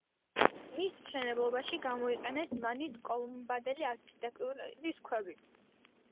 მის მშენებლობაში გამოიყენეს მანის კოლუმბამდელი არქიტექტურის ქვები.